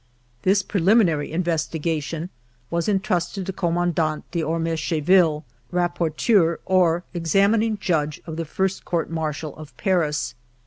This preliminary investigation was intrusted to Commandant d'Ormescheville, rapporteur, or Ex amining Judge, of the First Court Martial of Paris.